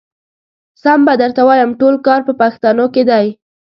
سم به درته ووايم ټول کار په پښتنو کې دی.